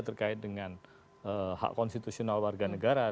terkait dengan hak konstitusional warga negara